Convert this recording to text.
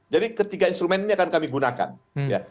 jadi ketiga instrumen ini akan kami gunakan ya